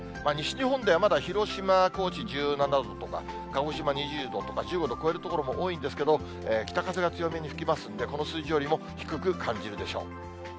西日本ではまだ広島、高知１７度とか、鹿児島２０度とか、１５度超える所も多いんですけれども、北風が強めに吹きますんで、この数字よりも低く感じるでしょう。